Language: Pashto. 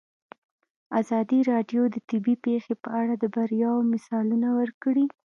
ازادي راډیو د طبیعي پېښې په اړه د بریاوو مثالونه ورکړي.